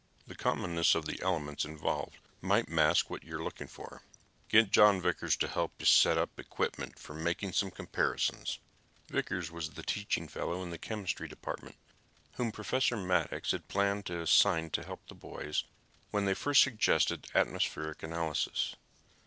The commonness of the elements involved might mask what you are looking for. Get John Vickers to help you set up equipment for making some comparisons." Vickers was the teaching fellow in the chemistry department whom Professor Maddox had planned to assign to help the boys when they first suggested atmospheric analysis.